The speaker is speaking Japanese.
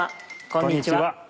こんにちは。